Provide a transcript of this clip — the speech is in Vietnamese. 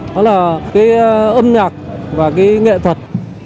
đó là cái âm nhạc và cái nghệ thuật